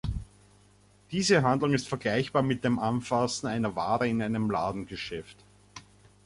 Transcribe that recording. Diese Handlung ist vergleichbar mit dem Anfassen einer Ware in einem Ladengeschäft.